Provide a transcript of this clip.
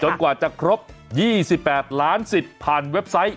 กว่าจะครบ๒๘ล้านสิทธิ์ผ่านเว็บไซต์